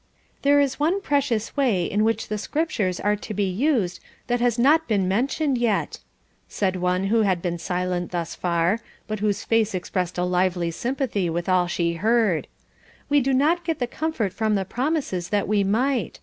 '" "There is one precious way in which the Scriptures are to be used that has not been mentioned yet," said one who had been silent thus far, but whose face expressed lively sympathy with all she heard, "we do not get the comfort from the promises that we might.